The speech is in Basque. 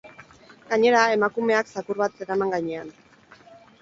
Gainera, emakumeak zakur bat zeraman gainean.